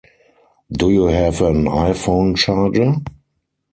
Do you have an iPhone charger?